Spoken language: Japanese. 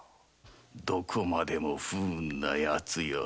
どこまでも不運なヤツよ。